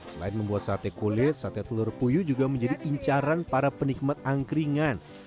selain membuat sate kulit sate telur puyuh juga menjadi incaran para penikmat angkringan